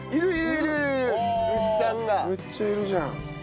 めっちゃいるじゃん。